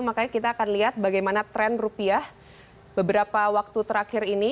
makanya kita akan lihat bagaimana tren rupiah beberapa waktu terakhir ini